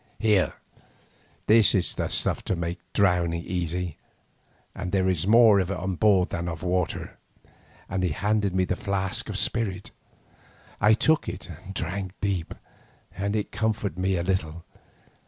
Here, this is the stuff to make drowning easy, and there is more of it on board than of water," and he handed me the flask of spirit. I took it and drank deep, and it comforted me a little.